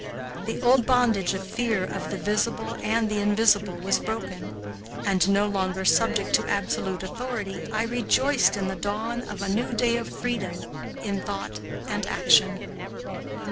The old bondage of fear of the visible and the invisible was broken and, no longer subject to absolute authority, I rejoiced in the dawn of a new day of freedom in thought and action.